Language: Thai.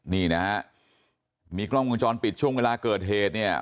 นี่นะฮะมีกล้องวงจรปิดช่วงเวลาเกิดเหตุเนี่ย